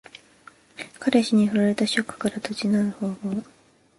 彼氏に振られたショックから立ち直る方法。